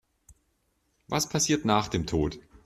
Was passiert nach dem Tod?